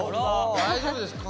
大丈夫ですか。